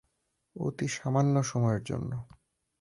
অতি সামান্য সময়ের জন্য।